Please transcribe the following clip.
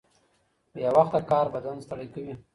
بې وخته کار بدن ستړی کوي.